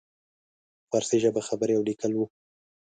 په فارسي ژبه خبرې او لیکل وو.